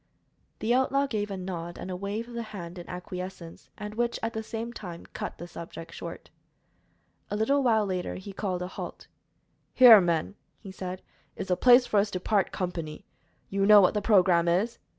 The outlaw gave a nod and a wave of the hand in acquiescence, and which, at the same time, cut the subject short. A little later he called a halt. "Here, men," he said, "is the place for us to part company. You know what the programme is."